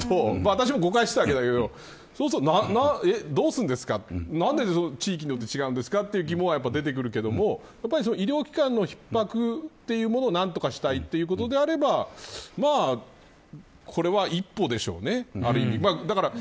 私も誤解していたわけだけどそうすると、どうするんですかなんで地域によって違うんですかという疑問は出てくるけど医療機関の逼迫を何とかしたいということであればこれは一歩でしょうね。